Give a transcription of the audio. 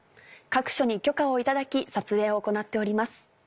各所に許可を頂き撮影を行っております」。